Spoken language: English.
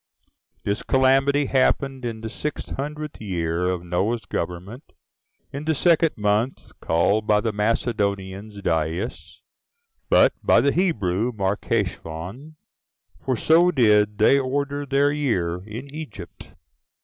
3. This calamity happened in the six hundredth year of Noah's government, [age,] in the second month, 14 called by the Macedonians Dius, but by the Hebrews Marchesuan: for so did they order their year in Egypt.